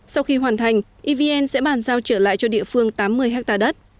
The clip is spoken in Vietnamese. sau khi hoàn thành evn sẽ bàn giao trở lại cho địa phương tám mươi ha đất